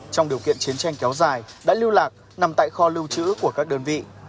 trong điều kiện chiến tranh kéo dài đã lưu lạc nằm tại kho lưu trữ của các đơn vị